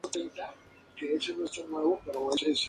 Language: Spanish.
Luego de formado el cigoto, la primera división es vertical.